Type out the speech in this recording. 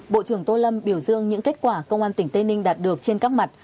bộ trưởng tô lâm biểu dương những kết quả công an tỉnh tây ninh đạt được trên các mặt